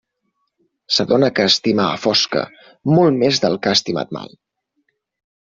S'adona que estima a Fosca, molt més del que ha estimat mai.